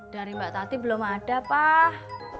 dari mbak tati belum ada pak